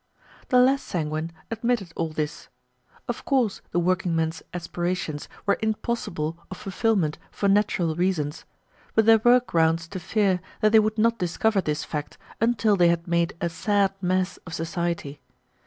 The less sanguine admitted all this. Of course the workingmen's aspirations were impossible of fulfillment for natural reasons, but there were grounds to fear that they would not discover this fact until they had made a sad mess of society.